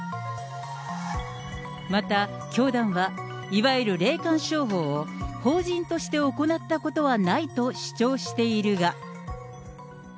また教団は、いわゆる霊感商法を、法人として行ったことはないと主張しているが。